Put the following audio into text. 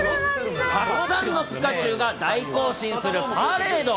たくさんのピカチュウが大行進するパレード。